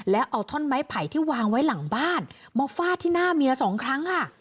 แล้วเอาท่อนไม้ไผ่ที่วางไว้หลังบ้านมาฟาดที่หน้าเมียสองครั้งค่ะ